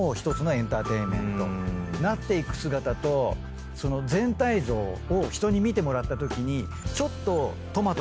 なっていく姿と全体像を人に見てもらったときにちょっとトマト